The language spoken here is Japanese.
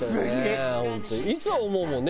いつも思うもんね。